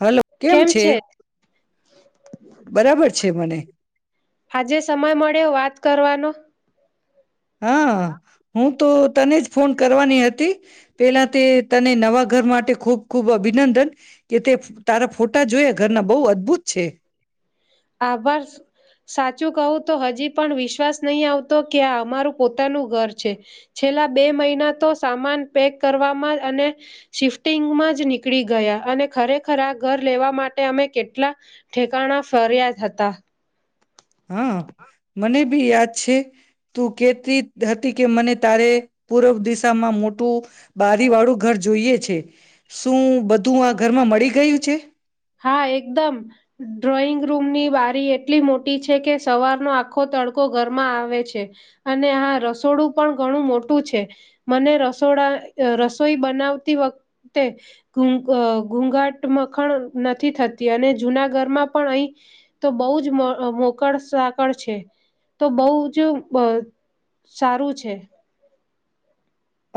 Hello કેમ છે? બરાબર છે મને. આજે સમય મળ્યો વાત કરવાનો. હા. હું તો તને જ ફોન કરવાની હતી, પેલા તે તને નવા ઘર માટે ખૂબ ખૂબ અભિનંદન. કે તે તારા ફોટા જોયા ઘરના બઉ અદભુત છે. આભાર, સાચું કહું તો હજી પણ વિશ્વાસ નહીં આવતો કે આ અમારું પોતાનું ઘર છે, છેલ્લા બે મહિના તો સામાન પેક કરવામાં અને, શિફ્ટિંગમાં જ નીકળી ગયા અને ખરેખર આ ઘર લેવા માટે અમે કેટલા, ઠેકાણા ફ ફરિયા જ હતા. હા, મને યાદ છે, તું કેતી હતી કે મને તારે પૂર્વ દિશામાં મોટું, બારી વાળું ઘર જોઈએ છે. શું બધું આ ઘરમાં મળી ગયું છે? હા એકદમ, ડ્રોઈંગ રૂમની બારી એટલી મોટી છે કે સવારનો આખો તડકો ઘરમાં આવે છે, અને હા રસોડું પણ ઘણું મોટું છે, મને રસોડા અ રસોઈ બનાવતી વખતે, ઘૂ ઘૂઘાટ મખણ નથી થતી અને જુના ઘરમાં પણ અહી, તો બહુ જ અ મોકળ સાકળ છે, તો બહુ જ બ સારું છે.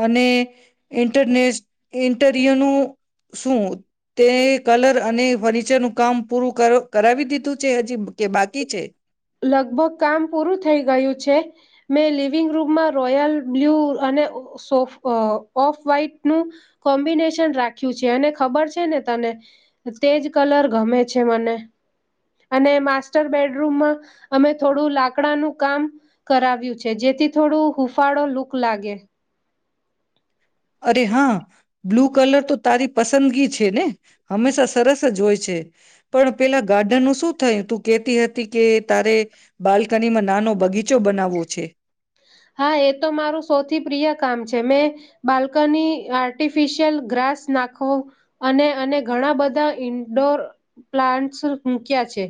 અને, ઇન્ટરનેસ ઇન્ટરયુનું શું? તે કલર અને ફર્નિચરનું કામ પૂરું કર કરાવી દીધું છે હજી કે બાકી છે? લગભગ કામ પૂરું થઈ ગયું છે, મેં લિવિંગ રૂમમાં રોયલ બ્લુ અને સો ઓફ વ્હાઈટનું, કોમ્બિનેશન રાખ્યું છે અને ખબર છે ને તને, તેજ કલર ગમે છે મને. અને માસ્ટર બેડરૂમમાં, અમે થોડું લાકડાનું કામ કરાવ્યું છે જેથી થોડું હૂફાળો લુક લાગે. અરે હા, બ્લુ કલર તો તારી પસંદગી છે ને? હંમેશા સરસ જ હોય છે, પણ પેલા ગાર્ડનનું શું થયું તું કેતી હતી કે તારે, બાલ્કનીમાં નાનો બગીચો બનાવવો છે. હા એ તો મારું સૌથી પ્રિય કામ છે મેં બાલ્કની આર્ટિફિશિયલ ગ્રાસ નાખો અને અને ઘણા બધા ઇન્ડોર પ્લાન્ટસ મૂક્યા છે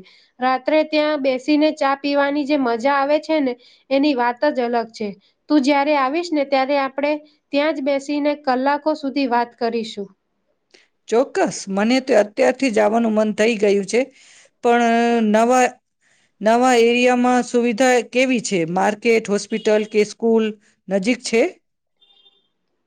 રાત્રે ત્યાં બેસીને ચા પીવાની જે મજા આવે છે ને એની વાત જ અલગ છે તું જયારે આવીશ ને ત્યારે આપણે ત્યાં જ બેસીને કલાકો સુધી વાત કરીશું ચોક્કસ મને તો અત્યારથી જ આવવાનું મન થઈ ગયું છે પણ નવા નવા એરિયામાં સુવિધા કેવી છે માર્કેટ હોસ્પિટલ કે સ્કૂલ નજીક છે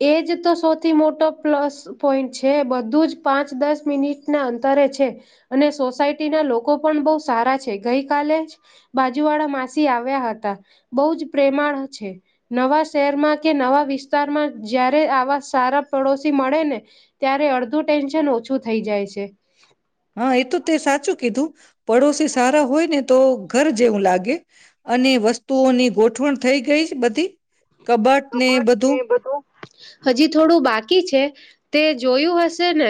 એજ તો સૌથી મોટો પ્લસ પોઈન્ટ છે બધું જ પાંચ દસ મિનિટના અંતરે છે અને સોસાયટીના લોકો પણ બહુ સારા છે ગઈ કાલે જ બાજુવાળા માસી આવ્યા હતા બહુ જ પ્રેમાળ છે નવા શહેરમાં કે નવા વિસ્તારમાં જયારે આવા સારા પડોશી મળે ને ત્યારે અડધું ટેન્શન ઓછું થઈ જાય છે હા.. એ તો તે સાચું.. કીધું.. પાડોશી સારા હોય ને.. તો ઘર જેવું લાગે અને વસ્તુઓની ગોઠવણ થઈ ગઈ બધી... કબાટ ને બધું... હજી થોડું બાકી છે તે જોયું હશે ને!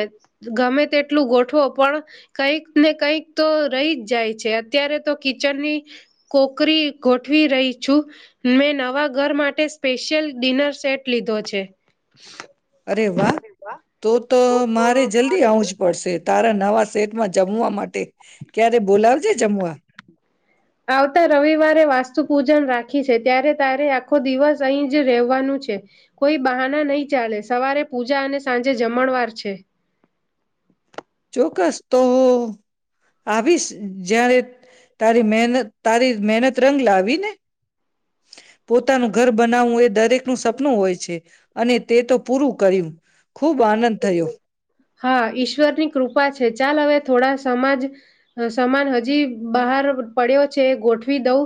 ગમે તેટલું ગોઠવો પણ કઈક ને કંઈક તો રહી જ જાય છે. અત્યારે તો કિચનની ક્રોકરી ગોઠવી રહી છું. મેં નવા ઘર માટે.. સ્પેશિયલ ડિનર સેટ લીધો છે. અરે વાહ! તો તો મારે જલ્દી આવું જ પડશે. તારા નવા સેટમાં જમવા માટે.. ક્યારે બોલાવજે જમવા આવતા રવિવારે વાસ્ત.. પૂજન રાખી છે ત્યારે તારે આખો દિવસ અહી જ રેવાનું છે. કોઈ બહાના નહી ચાલે સવારે પૂજા અને સાંજે જમણવાર છે. ચોક્કસ તો.. આવીશ. જ્યારે તારી મહેનત તારી મહેનત રંગ લાવી ને! પોતાનું ઘર બનાવવું એ.. દરેક નું સપનું હોય છે.. અને તે તો પૂરું કર્યું ખૂબ આનંદ થયો.. હા ઈશ્વરની કૃપા છે. ચાલ, હવે થોડા સામાન હજી બહાર પડ્યો છે ગોઠવી દઉં.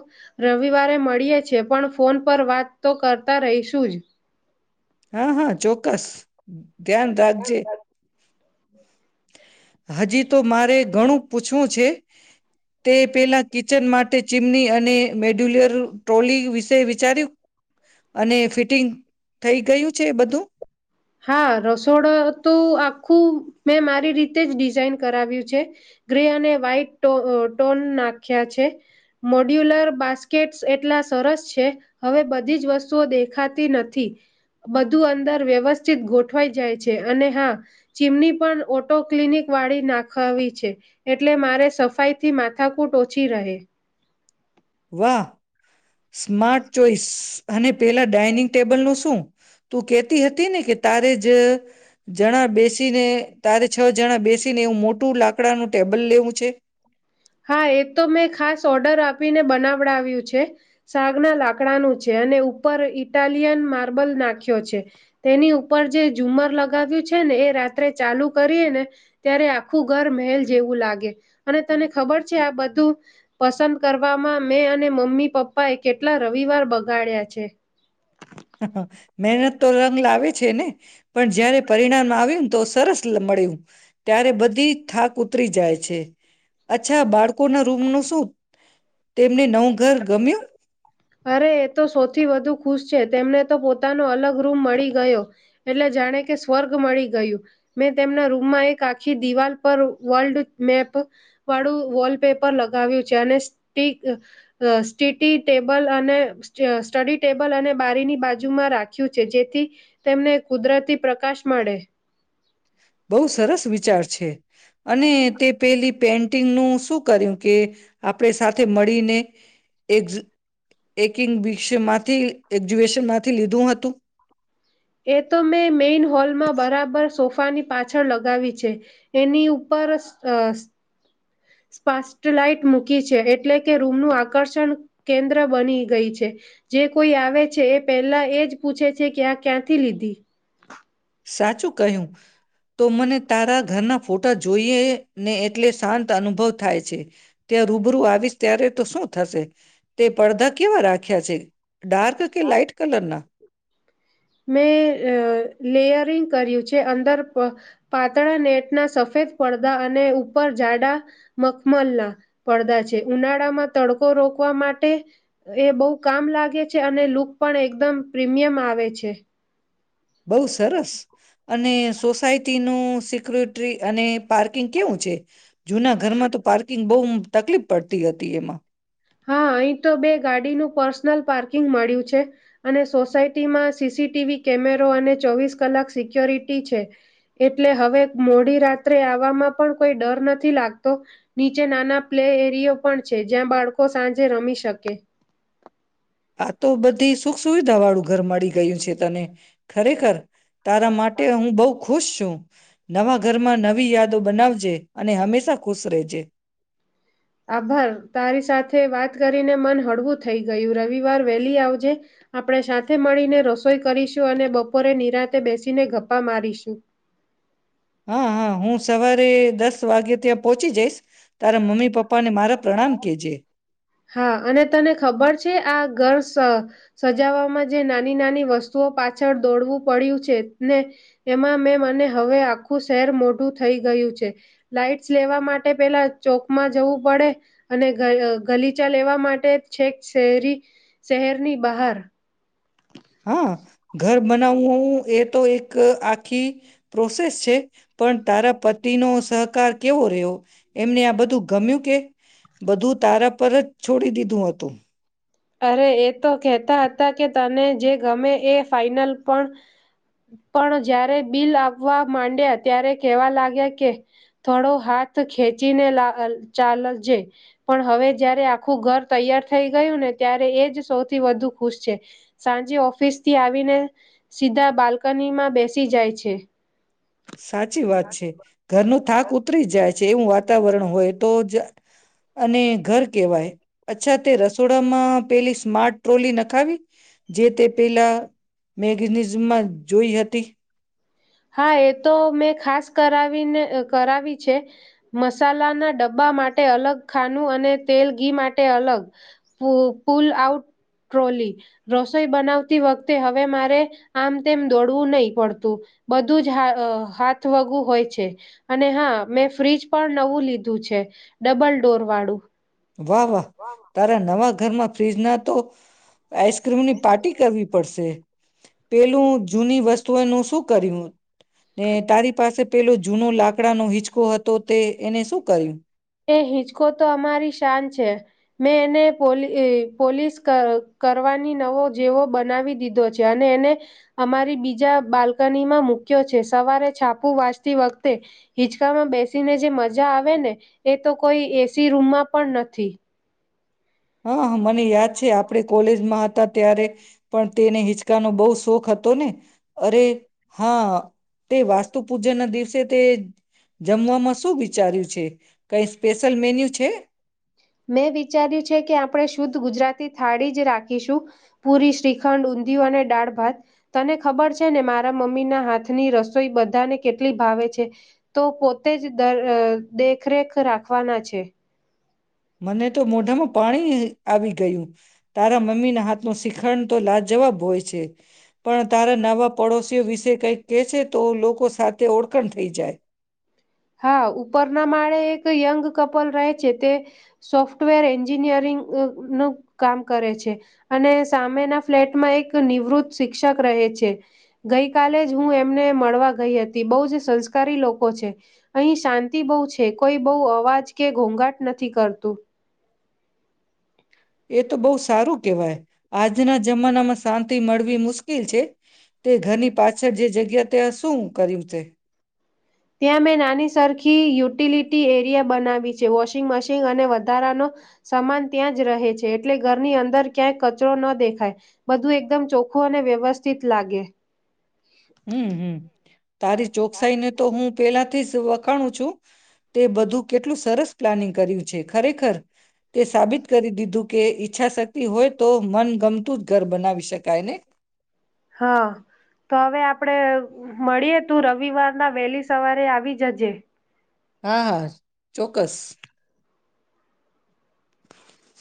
રવિવારે મળીએ છે પણ ફોન પર વાત તો કરતા રહીશું જ હા.. હા.. ચોક્કસ. ધ્યાન રાખજે. હજી તો મારે ઘણું પૂછવું છે.. તે પેલા કિચન માટે.. માટે ચીમની અને મોડ્યુલર ટ્રોલી વિશે વિચાર્યું અને ફિટિંગ.. થઇ ગયું છે બધું? હા.. રસોડું તો આખું મેં મારી રીતે જ ડિઝાઇન કરાવ્યું છે. ગ્રે અને વ્હાઈટ સ્ટોન નાખ્યા છે મોડ્યુલર બાસ્કેટસ એટલા સરસ છે. હવે બધી જ વસ્તુઓ દેખાતી નથી બધું અંદર વ્યવસ્... િત ગોઠવાઈ જાય છે. અને હા, ચીમની પણ ઓટો કલિનિક વાળી નાખાવી છે‌ એટલે મારે સફાઈથી માથાકૂટ ઓછી રહે.. વાહ! Smart choice. અને પેલા ડાઇનિંગ ટેબલ નું શું? તું કેહેતી હતી ને કે તારે જ જણા બેસીને તારે છ જણા બેસીને એવું મોટું લાકડાનું ટેબલ લેવું છે. હા.. એ તો મેં ખાસ ઓર્ડર આપીને બનાવડાવ્યું છે. સાગના લાકડાનું છે. અને ઉપર ઇટાલિયન માર્બલ નાખ્યો છે તેની ઉપર જે ઝુમર લગાવ્યું છે ને એ રાત્રે ચાલુ કરીએ ને ત્યારે આખું ઘર મહેલ જેવું લાગે અને તને... ખબર છે આ બધું પસંદ કરવામાં મેં અને મમ્મી પપ્પા એ કેટલા રવિવાર બગાડ્યા છે. મહેનત તો રંગ લાવે છે ને પણ જારે પરિણામ આવ્યું ને તો સરસ મળ્યું. ત્યારે બધી થાક ઉતરી જાય છે. અચ્છા, બાળકોના રૂમનું શું? તેમને નવું ઘર ગમ્યું? અરે એ તો સૌથી વધુ ખુશ છે તેમને તો પોતાનો અલગ રૂમ મળી ગયો એટલે જાણે કે સ્વર્ગ મળી ગયું. મેં તેમના રૂમમાં એક આખી દિવાલ પર વર્લ્ડ મેપ વાળું વોલપેપર લગાવ્યું છે અને સ્ટીટી.. ટેબલ અને સ્ટડી ટેબલ અને બારીની બાજુમાં રાખ્યું છે જેથી તેમને કુદરતી પ્રકાશ મળે... બહુ સરસ વિચાર છે.. અને તે પેલી પેન્ટિંગનું શું કર્યું? કે આપણે સાથે મળીને એક્સ એકિંગ બિશન માંથી એક્ઝબિશન માંથી લીધું હતું. એ તો મેં મેઇન હોલ માં બરાબર સોફા પાણી પાછળ લગાવી છે. એની ઉપર સ અ સ્પાસલાઈટ મૂકી છે. એટલે કે, રૂમનું આકર્ષણ કેન્દ્ર બની ગઈ છે. જે કોઈ આવે છે, એ પહેલા એ જ પૂછે છે કે આ ક્યાંથી લીધી? સાચું કહ્યું. તો, મને તારા ઘરના ફોટા જોઈએ ને એટલે શાંત અનુભવ થાય છે ત્યાં રૂબરૂ આવીશ ત્યારે તો શું થશે તે પડદા કેવા રાખ્યા છે. ડાર્ક કે લાઈટ કલર ના? મેં અ લેયરિંગ કર્યું છે અંદર પ પાતળા નેટ ના સફેદ પળદા અને ઉપર જાડા મખમલ ના પળદા છે ઉનાળામાં તડકો રોકવા માટે એ બહુ કામ લાગે છે અને લુક પણ એકદમ પ્રીમિયમ આવે છે. [inaudible] બઉુ સરસ અને સોસાયટીનું સિક્યુરિટ્રી અને પાર્કિંગ કેવું છે? જુના ઘરમાં તો પાર્કિંગ બહુ તકલીફ પડતી હતી એમાં. હા અહીં તો બે ગાડીનું પર્સનલ પાર્કિંગ મળ્યું છે અને સોસાયટીમાં સી સી ટી વી કેમેરો અને ચોવીસ કલાક સિક્યોરિટી છે એટલે હવે મોડી રાત્રે આવવામાં પણ કોઈ ડર નથી લાગતો નીચે નાના પ્લે એરિયો પણ છે. જ્યાં બાળ કો સાંજે રમી શકે. આ તો બધી સુખ સુવિધા વાળું ઘર મળી ગયું છે તને ખરેખર તારા માટે હું બહુ ખુશ છું નવા ઘરમાં નવી યાદો બનાવજે અને હંમેશા ખુશ રેજે. આભાર તારી સાથે વાત કરીને મન હળવું થઈ ગયું રવિવાર વહેલી આવજે આપણે સાથે મળીને રસોઈ કરીશું અને બપોરે નિરાંતે બેસીને ગપ્પા મારીશું. હા હા હું સવારે દસ વાગે ત્યાં પોહોંચી જઈશ. તારા મમ્મી પપ્પા ને મારા પ્રણામ કેજે. હા અને તને ખબર છે આ ઘર સ સજાવામાં જે નાની નાની વસ્તુઓ પાછળ દોડવું પડ્યું છે ને એમાં મે મને હવે આખું શહેર મોઢું થઈ ગયું છે લાઈટ્સ લેવા માટે પેલા ચોકમાં જવું પડે અને ગય અ ગલીચા લેવા માટે છેક શેરી શહેરની બહાર. હા ઘર બનાવું એ તો એક આખી પ્રોસેસ છે પણ તારા પતિનો સહકાર કેવો રહ્યો એમને આ બધું ગમ્યું કે બધું તારા પર જ છોડી દીધું હતું. અરે એ તો કહેતા હતા કે તને જે ગમે એ ફાઈનલ પણ પણ જ્યારે બિલ આપવા માંડ્યા ત્યારે કેવા લાગ્યા કે થોડો હાથ ખેચીને લા અ ચાલજે પણ હવે જયારે આખું ઘર તૈયાર થઈ ગયું ને ત્યારે એ જ સૌથી વધુ ખુશ છે. સાંજે ઓફિસથી આવીને સીધા બાલ્કનીમાં બેસી જાય છે. સાચી વાત છે ઘરનો થાક ઉતરી જાય છે. એવું વાતાવરણ હોય તો જ અને ઘર કેવાય અચ્છા તે રસોડામાં પેલી સ્માર્ટ ટ્રોલી નખાવી જે તે પેલા મેગેનીઝમમાં જોઈ હતી. હા એ તો મેં ખાસ કરાવીને અ કરાવી છે મસાલાના ડબ્બા માટે અલગ ખાનું અને તેલ ઘી માટે અલગ પુ પુલ આઉટ ટ્રોલી રસોઈ બનાવતી વખતે હવે મારે આમ તેમ દોડવું નહી પડતું. બધું જ હા અ હાથ વગું હોય છે અને હા મેં ફ્રીજ પણ નવું લીધું છે ડબલ ડોર વાળું. વાહ વાહ તારા નવા ઘરમાં ફ્ર્રીજ ના તો આઈસ્ક્રીમની પાર્ટી કરવી પડશે. પેલું જૂની વસ્તુઓનું શું કર્યું? ને તારી પાસે પેલું જૂનો લાકડાનો હિચકો હતો તે એને શું કર્યું? એ હિંચકો તો અમારી શાન છે મેં એને પોલી ઈ પોલીસ કર કરવાની નવો જેવો બનાવી દીધો છે અને એને અમારી બીજા બાલ્કનીમાં મુક્યો છે સવારે છાપુ વાંચતી વખતે હિચકામાં બેસીને જે મજા આવે ને એ તો કોઈ એ સી રૂમમાં પણ નથી. હા હ મને યાદ છે આપણે કોલેજમાં હતા ત્યારે પણ તેને હિચકાનો બહુ શોખ હતો ને અરે હા તે વાસ્તુ પૂજન દિસ સે તે જમવામાં શું વિચાર્યું છે. કય સ્પેશિયલ મેન્યુ છે. મેં વિચાર્યું છે કે આપણે શુદ્ધ ગુજરાતી થાળી જ રાખીશું પુરી શ્રીખંડ ઊંધિયું અને દાળ ભાત તને ખબર છે ને મારા મમ્મી ના હાથની રસોઈ બધાને કેટલી ભાવે છે તો પોતે જ દર અ દે દેખરેખ રાખવાના છે. મને તો મોઢામાં પાણી આવી ગયું તારા મમ્મીના હાથનું શિખંડ તો લા જવાબ હોય છે પણ તારા નવા પડોશીઓ વિશે કંઈક કેહે છે તો લોકો સાથે ઓળખણ થઈ જાય. હા ઉપરના માળે એક યંગ કપલ રહે છે તે સોફ્ટવેર એન્જિનિયરિંગનું કામ કરે છે અને સામેના ફ્લેટમાં એક નિવૃત શિક્ષક રહે છે ગઈકાલે જ હું એમને મળવા ગઈ હતી બહુ જ સંસ્કારી લોકો છે. અહીં શાંતિ બહુ છે કોઈ બહુ અવાજ કે ઘોઘાટ નથી કરતું. એ તો બહુ સારું કેહેવાય આજના જમાનામાં શાંતિ મળવી મુશ્કેલ છે તે ઘરની પાછળ જે જગ્યા ત્યા શું કર્યું તે. ત્યાં મેં નાની સરખી યુટિલિટી એરિયા બનાવી છે વોશિંગ મશીન અને વધારાનો સમાન ત્યાં જ રહે છે એટલે ઘરની અંદર ક્યાંય કચરો ન દેખાય બધું એકદમ ચોખ્ખું અને વ્યવસ્થિત લાગે. હમ હમ. તારી ચોકસાઈ ને તો હું પેલા થી વખાણું છું તે બધું કેટલું સરસ પ્લાનિંગ કર્યું છે ખરેખર તે સાબિત કરી દીધું કે ઈચ્છાશક્તિ હોય તો મન ગમતું જ ઘર બનાવી શકાય ને. હા તો હવે આપડે મળીએ તું રવિવાર ના વહેલી સવારે આવી જજે. હા હા. ચોક્કસ. [inaudible]